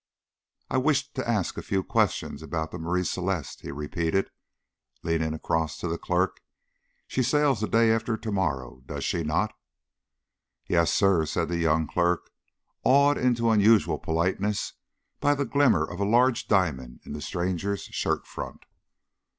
"I wished to ask a few questions about the Marie Celeste," he repeated, leaning across to the clerk. "She sails the day after to morrow, does she not?" "Yes, sir," said the young clerk, awed into unusual politeness by the glimmer of a large diamond in the stranger's shirt front.